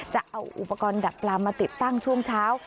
จะเอาอุปกรณ์ดักปลามาติดตั้งช่วงเช้า